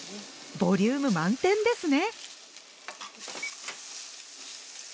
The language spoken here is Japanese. ボリューム満点ですね。